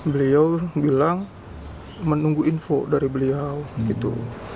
beliau bilang menunggu info dari beliau gitu